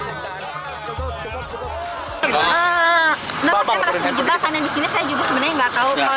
bapak saya merasa berjubah karena disini saya juga sebenarnya gak tau